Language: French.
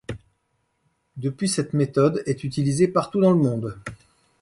Depuis, cette méthodes est utilisée partout dans le monde.